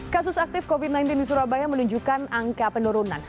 kasus aktif covid sembilan belas di surabaya menunjukkan angka penurunan